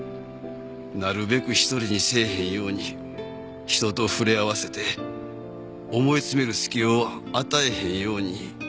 なるべく１人にせえへんように人と触れ合わせて思いつめる隙を与えへんように。